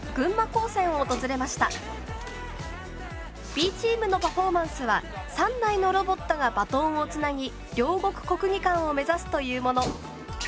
Ｂチームのパフォーマンスは３台のロボットがバトンをつなぎ両国国技館を目指すというもの。